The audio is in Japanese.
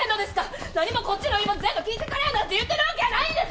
なにもこっちの言い分全部聞いてくれなんて言ってるわけやないんです！